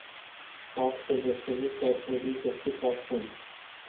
O astfel de soluție ar trebui găsită acum.